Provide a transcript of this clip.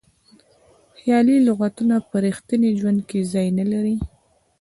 خیالي لغتونه په ریښتیني ژوند کې ځای نه لري.